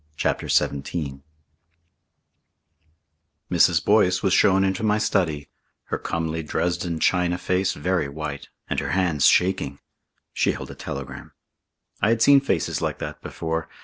CHAPTER XVII Mrs. Boyce was shown into my study, her comely Dresden china face very white and her hands shaking. She held a telegram. I had seen faces like that before.